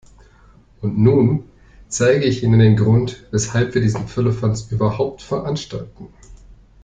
Und nun zeige ich Ihnen den Grund, weshalb wir diesen Firlefanz überhaupt veranstalten.